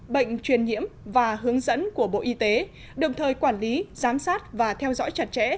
bệnh truyền nhiễm và hướng dẫn của bộ y tế đồng thời quản lý giám sát và theo dõi chặt chẽ